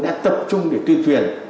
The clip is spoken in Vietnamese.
đã tập trung để tuyên truyền